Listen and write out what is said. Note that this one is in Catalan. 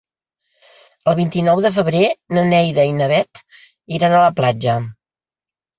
El vint-i-nou de febrer na Neida i na Bet iran a la platja.